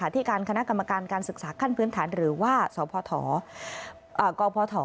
ที่การคณะกรรมการการศึกษาขั้นพื้นฐานหรือว่าสพกพ